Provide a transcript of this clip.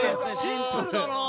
シンプルだなぁ。